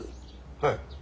はい。